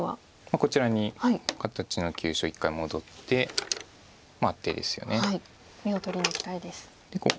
こちらに形の急所一回戻ってアテですよね。